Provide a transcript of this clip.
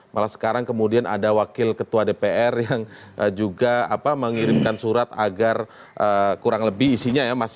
malah sekarang kemudian ada wakil ketua dpr yang juga mengirimkan surat agar kurang lebih isinya ya